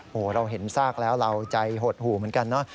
โอ้โหเราเห็นซากแล้วเราใจหดหู่เหมือนกันเนอะ